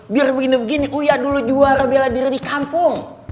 biar begini begini oh ya dulu juara bela diri di kampung